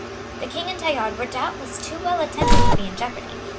The King and Tallard were doubtless too well attended to be in jeopardy.